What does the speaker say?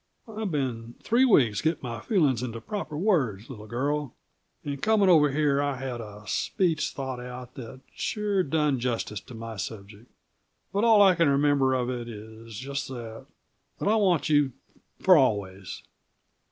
"I've been three weeks getting my feelings into proper words, little girl, and coming over here I had a speech thought out that sure done justice to my subject. But all I can remember of it is just that that I want you for always."